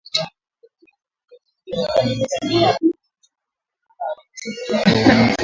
havitalazimika tena kusafiri hadi Somalia kutoka nchi jirani baada ya maafisa kutengua uamuzi